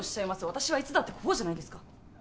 私はいつだってこうじゃないですか